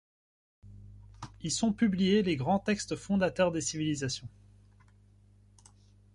Y sont publiés les grands textes fondateurs des civilisations.